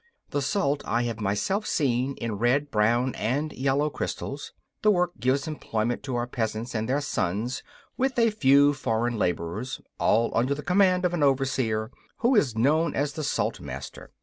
The salt I have myself seen in red, brown and yellow crystals. The works give employment to our peasants and their sons, with a few foreign labourers, all under the command of an overseer, who is known as the Saltmaster.